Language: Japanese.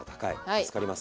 助かります。